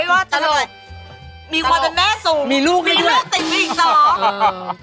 ว่าจะทำอะไรมีความเป็นแม่สุดมีลูกด้วยมีลูกติดกันอีกสอง